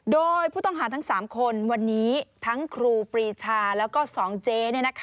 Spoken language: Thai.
โดยผู้ต้องหาทั้ง๓คนวันนี้ทั้งครูปรีชาแล้วก็๒เจ๊